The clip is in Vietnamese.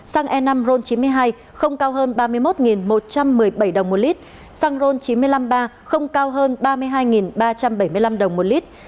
xăng e năm ron chín mươi hai không cao hơn ba mươi một một trăm một mươi bảy đồng một lít xăng ron chín trăm năm mươi ba không cao hơn ba mươi hai ba trăm bảy mươi năm đồng một lít